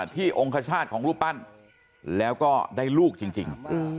องค์คชาติของรูปปั้นแล้วก็ได้ลูกจริง